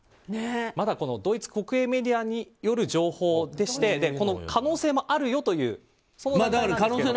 まだドイツ国営メディアによる情報でしてこの可能性もあるよというその段階ですけど。